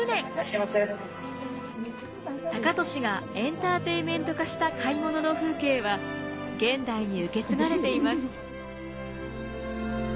高利がエンターテインメント化した買い物の風景は現代に受け継がれています。